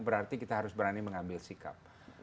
berarti kita harus berani mengambil sikap